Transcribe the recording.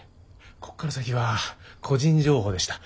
ここから先は個人情報でした。